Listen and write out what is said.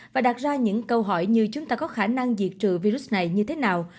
và đặt ra những câu hỏi như chúng ta có khả năng diệt trừ virus này như thế nào